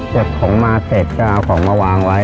เก็บของมาเสร็จก็เอาของมาวางไว้